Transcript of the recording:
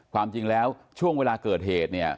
ความจริงแล้วช่วงเวลาเกิดเหตุเนี่ย